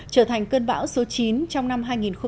trở thành cơn bão số chín trong năm hai nghìn một mươi bảy